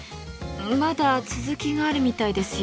まだ続きがあるみたいですよ。